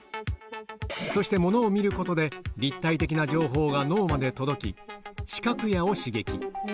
そしてものを見ることで立体的な情報が脳まで届き、視覚野を刺激。